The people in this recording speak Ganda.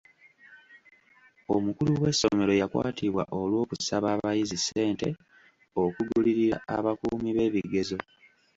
Omukulu w'essomero yakwatibwa olw'okusaba abayizi ssente okugulirira abakuumi b'ebigezo.